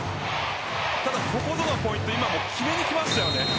ただ、ここでのポイント決めにきましたよね。